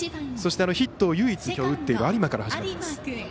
そしてヒットを唯一打っている有馬から始まります。